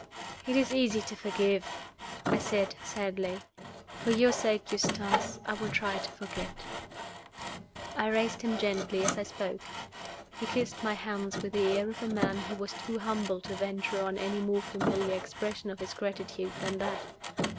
"It is easy to forgive," I said, sadly. "For your sake, Eustace, I will try to forget." I raised him gently as I spoke. He kissed my hands with the air of a man who was too humble to venture on any more familiar expression of his gratitude than that.